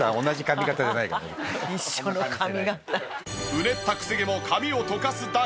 うねったクセ毛も髪をとかすだけ。